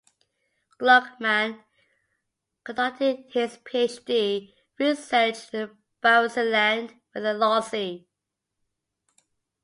Gluckman conducted his Ph.D. research in Barotseland with the Lozi.